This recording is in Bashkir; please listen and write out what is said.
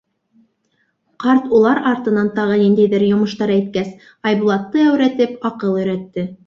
Ҡарт улар артынан тағы ниндәйҙер йомоштар әйткәс, Айбулатты әүрәтеп аҡыл өйрәтте: